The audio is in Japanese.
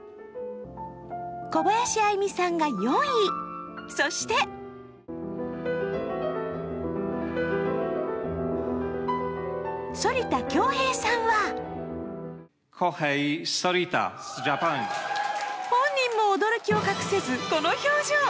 小林愛実さんが４位、そして反田恭平さんは本人も驚きを隠せず、この表情。